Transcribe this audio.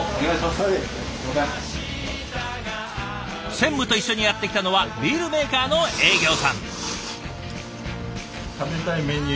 専務と一緒にやってきたのはビールメーカーの営業さん。